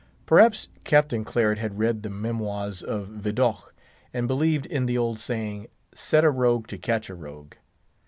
Perhaps Captain Claret had read the Memoirs of Vidocq, and believed in the old saying, set a rogue to catch a rogue.